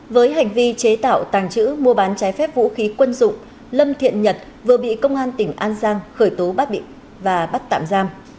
với hành vi chế tạo tàng trữ mua bán trái phép vũ khí quân dụng lâm thiện nhật vừa bị công an tỉnh an giang khởi tố và bắt tạm giam